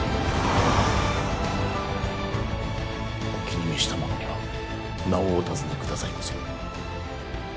お気に召した者には名をお尋ね下さいませ。